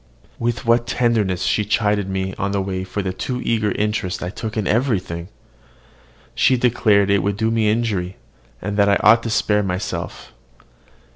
With what tenderness she chid me on the way for the too eager interest I took in everything! She declared it would do me injury, and that I ought to spare myself.